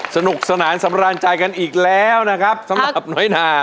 สนุกสนานสำราญใจกันอีกแล้วนะครับสำหรับน้อยนา